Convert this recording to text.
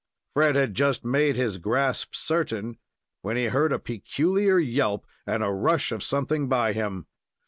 Fred had just made his grasp certain, when he heard a peculiar yelp, and a rush of something by him.